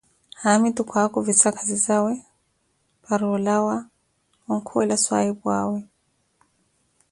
haamitu kwakuvissa khazizawe para olawa onkhuwela swaahipu awe.